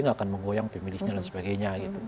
nggak akan menggoyang pemilihnya dan sebagainya gitu